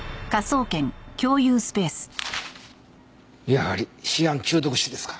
やはりシアン中毒死ですか。